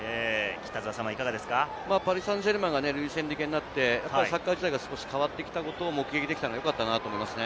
パリ・サンジェルマンがルイス・エンリケになって、サッカー自体が少し変わってきたことも目撃できたから、よかったなと思います。